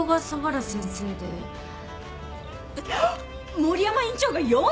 森山院長が４位！？